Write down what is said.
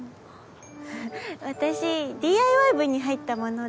私ＤＩＹ部に入ったもので。